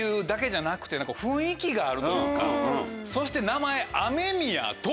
そして名前。